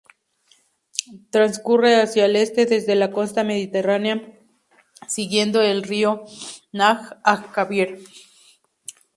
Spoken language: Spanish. Transcurre hacia el este desde la costa mediterránea, siguiendo el río Nahr al-Kabir.